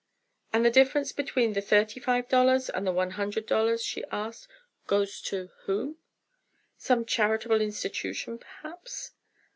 "And the difference between the thirty five dollars and the one hundred dollars," she asked, "goes to whom? Some charitable institution perhaps?"